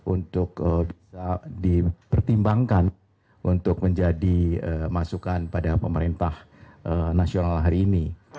untuk dipertimbangkan untuk menjadi masukan pada pemerintah nasional hari ini